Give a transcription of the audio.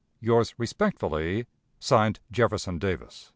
"Yours respectfully, (Signed) "Jefferson Davis."